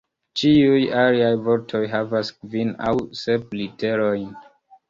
Ĉiuj aliaj vortoj havas kvin aŭ sep literojn.